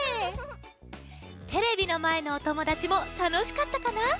テレビのまえのおともだちもたのしかったかな？